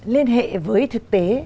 liên hệ với thực tế